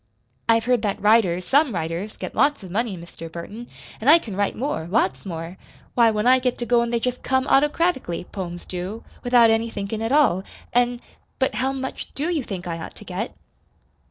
"I've heard that writers some writers get lots of money, Mr. Burton, an' I can write more lots more. Why, when I get to goin' they jest come autocratically poems do without any thinkin' at all; an' But how much DO you think I ought to get?"